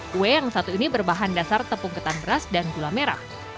kue yang satu ini berbahan dasar tepung ketan beras dan gula merah